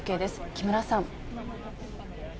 木村さん。